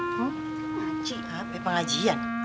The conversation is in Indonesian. pengaji apa pengajian